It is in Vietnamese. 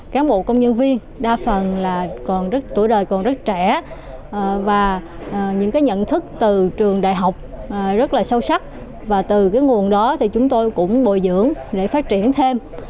các bộ công nhân viên đa phần là tuổi đời còn rất trẻ và những cái nhận thức từ trường đại học rất là sâu sắc và từ cái nguồn đó thì chúng tôi cũng bồi dưỡng để phát triển thêm